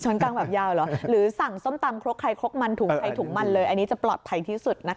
กลางแบบยาวเหรอหรือสั่งส้มตำครกใครครกมันถุงใครถุงมันเลยอันนี้จะปลอดภัยที่สุดนะคะ